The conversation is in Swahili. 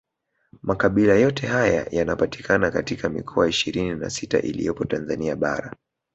Makabila yote haya yanapatikana katika mikoa ishirini na sita iliyopo Tanzania bara